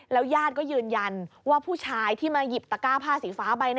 ยาดก็ยืนยันว่าผู้ชายที่มาหยิบตะก้าผ้าสีฟ้าไป